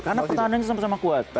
karena pertandingannya sama sama kuat